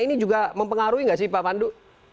ini juga mempengaruhi nggak sih pak pandu